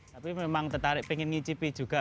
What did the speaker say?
tapi memang tertarik pengen ngicipi juga